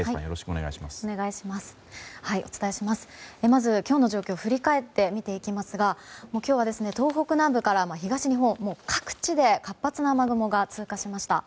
まず今日の状況を振り返って見ていきますが今日は東北南部から東日本各地で活発な雨雲が通過しました。